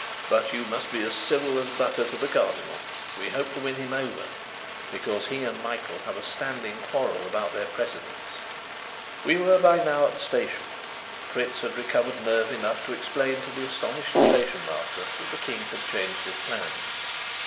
But you must be as civil as butter to the Cardinal. We hope to win him over, because he and Michael have a standing quarrel about their precedence." We were by now at the station. Fritz had recovered nerve enough to explain to the astonished station master that the King had changed his plans.